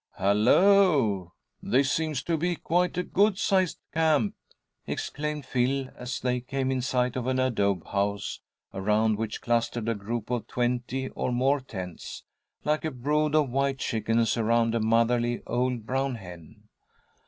"Hello! This seems to be quite a good sized camp!" exclaimed Phil, as they came in sight of an adobe house, around which clustered a group of twenty or more tents, like a brood of white chickens around a motherly old brown hen.